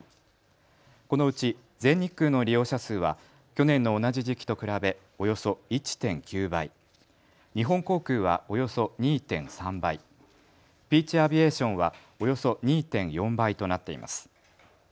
このうち全日空の利用者数は去年の同じ時期と比べおよそ１．９倍、日本航空はおよそ２．３倍、ピーチ・アビエーションはおよそ２．４倍となっています。